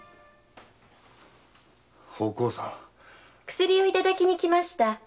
薬をいただきに来ました。